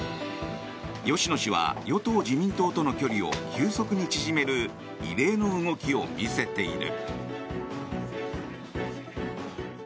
芳野氏は与党・自民党との距離を急速に縮める異例の動きを見せている。